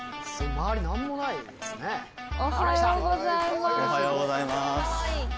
おはようございます。